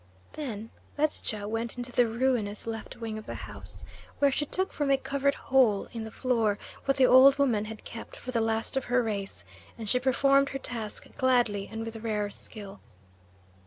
Then Ledscha went into the ruinous left wing of the house, where she took from a covered hole in the floor what the old woman had kept for the last of her race, and she performed her task gladly and with rare skill.